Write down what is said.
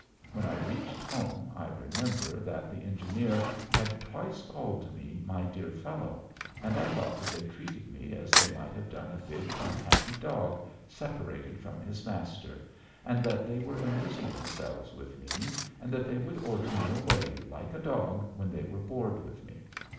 When I reached home I remember that the engineer had twice called me "my dear fellow," and I thought that they treated me as they might have done a big, unhappy dog, separated from his master, and that they were amusing themselves with me, and that they would order me away like a dog when they were bored with me.